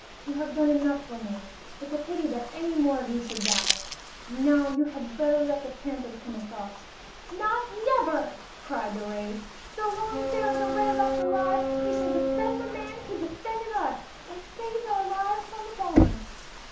"You have done enough for me! It's a pity that any more of you should die. Now you had better let the panthers come across." "Not never!" cried the rays. "So long as there is a ray left alive, we shall defend the man who defended us and saved our lives from the bombers."